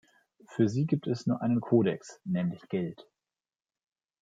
Für sie gibt es nur einen Kodex, nämlich Geld.